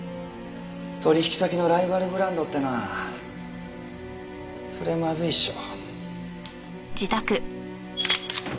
取引先のライバルブランドってのはそりゃまずいっしょ。